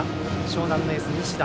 樟南のエース、西田。